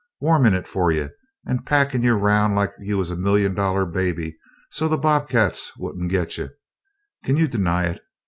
Warmin' it fer you and packin' you 'round like you was a million dollar baby so the bobcats won't git you kin you deny it?